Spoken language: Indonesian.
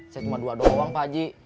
saya cuma dua doang pak ji